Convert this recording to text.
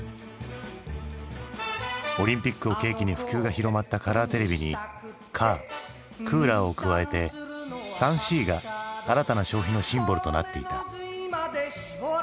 オリンピックを契機に普及が広まったカラーテレビにカークーラーを加えて「３Ｃ」が新たな消費のシンボルとなっていた。